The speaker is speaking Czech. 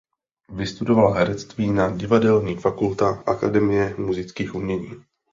Vystudovala herectví na Divadelní fakulta Akademie múzických umění.